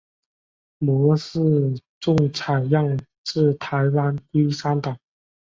模式种采样自台湾龟山岛。